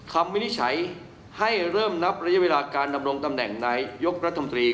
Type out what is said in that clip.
วินิจฉัยให้เริ่มนับระยะเวลาการดำรงตำแหน่งนายยกรัฐมนตรี